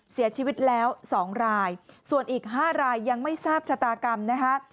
เสียชีวิตแล้ว๒รายส่วนอีก๕รายยังไม่ทราบชะตากรรมนะคะ